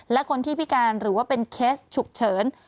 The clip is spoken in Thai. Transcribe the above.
และคนที่พิการหรือว่าเป็นเคสฉุกเฉิน